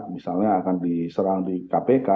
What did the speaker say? misalnya akan diserang di kpk